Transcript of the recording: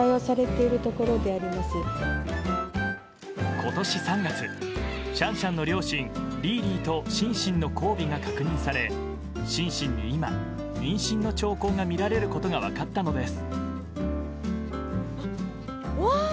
今年３月、シャンシャンの両親リーリーとシンシンの交尾が確認されシンシンに今、妊娠の兆候がみられることが分かったのです。